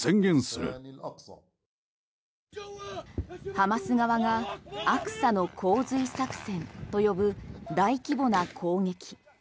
ハマス側がアクサの洪水作戦と呼ぶ大規模な攻撃。